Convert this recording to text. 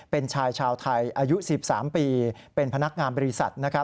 เป็นชายชาวไทยอายุ๑๓ปีเป็นพนักงานบริษัท